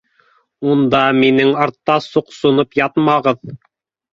Унда минең артта соҡсоноп ятмағыҙ